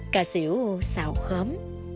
cà xỉu xào khóm